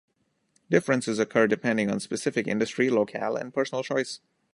Differences occur depending on specific industry, locale, and personal choice.